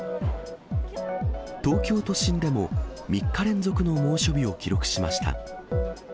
東京都心でも、３日連続の猛暑日を記録しました。